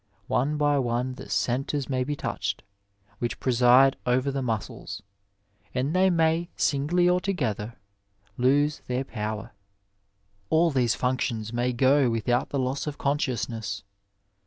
One by one the centres may be touched which preside over the muscles, and they may, singly or together, lose their power. All these func tions may go without the loss of consciousness.